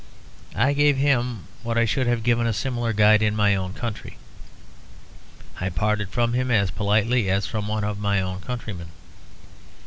I gave him what I should have given a similar guide in my own country; I parted from him as politely as from one of my own countrymen.